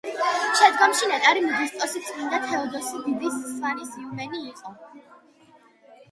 შემდგომში ნეტარი მოდესტოსი წმიდა თეოდოსი დიდის სავანის იღუმენი იყო.